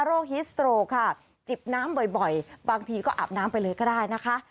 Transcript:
ฮิสโตรค่ะจิบน้ำบ่อยบางทีก็อาบน้ำไปเลยก็ได้นะคะ